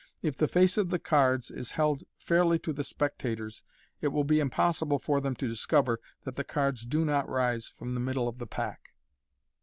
If the face of the cards is held fairly to the spectators, it will be impossible for them to discover that the cards do not rise from the middle of the pack.